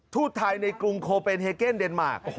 ทูตไทยในกรุงโคเป็นเฮเกนเดนมาร์